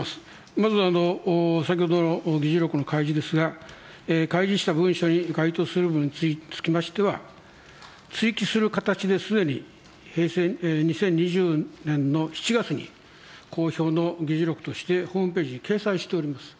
まず、先ほどの議事録の開示ですが、開示した文書に該当する分につきましては、追記する形で、すでに２０２０年の７月に公表の議事録としてホームページに掲載しております。